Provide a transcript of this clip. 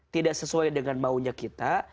tidak sesuai dengan maunya kita